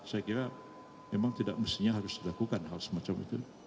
saya kira memang tidak mestinya harus dilakukan hal semacam itu